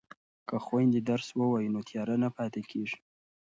که خویندې درس ووایي نو تیاره نه پاتې کیږي.